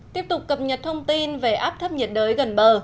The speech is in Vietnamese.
tiếp tục cập nhật thông tin về áp thấp nhiệt đới gần bờ